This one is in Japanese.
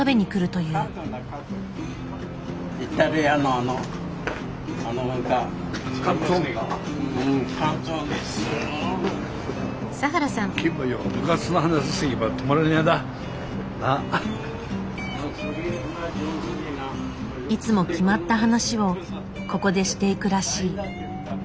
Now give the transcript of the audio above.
いつも決まった話をここでしていくらしい。